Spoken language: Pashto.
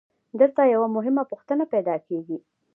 دلته یوه مهمه پوښتنه پیدا کېږي